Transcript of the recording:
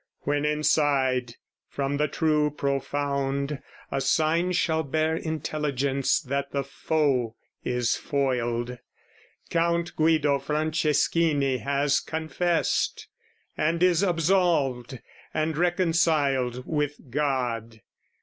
When inside, from the true profound, a sign Shall bear intelligence that the foe is foiled, Count Guido Franceschini has confessed, And is absolved and reconciled with God.